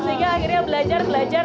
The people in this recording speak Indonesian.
sehingga akhirnya belajar belajar